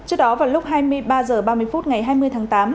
trước đó vào lúc hai mươi ba h ba mươi phút ngày hai mươi tháng tám